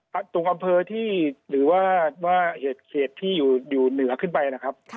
ตรงอำเภอที่หรือว่าเหตุที่อยู่เหนือขึ้นไปนะครับ